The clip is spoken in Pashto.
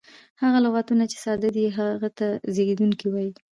هغه لغتونه، چي ساده دي هغه ته زېږوونکی وایي.